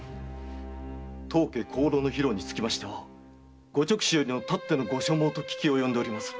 当家香炉の披露につきましてはご勅使よりのたってのご所望と聞き及んでおりまする。